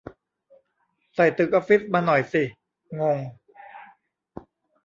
ใส่ตึกออฟฟิศมาหน่อยสิ งง